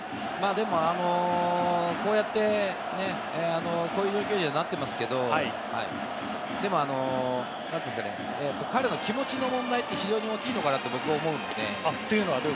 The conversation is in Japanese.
でも、こうやってこういう状況にはなっていますが、彼は気持ちの問題って非常に大きいのかなと思うんですよね。